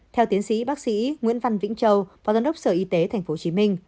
theo tiến sĩ bác sĩ nguyễn văn vĩnh châu phó giám đốc sở y tế tp hcm